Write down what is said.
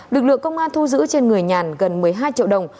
lực lượng công an thu giữ trên người nhàn gần một mươi hai triệu đồng